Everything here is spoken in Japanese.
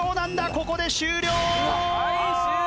ここで終了！